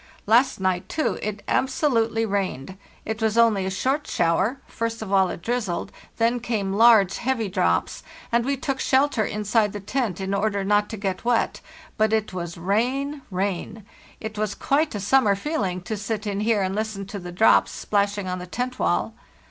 Last night, too, it absolutely rained. BY SLEDGE AND KAVAK 247 It was only a short shower; first of all it drizzled, then came large, heavy drops, and we took shelter inside the tent in order not to get wet—but it was rain, rain! It was quite a summer feeling to sit in here and listen to the drops splashing on the tent wall.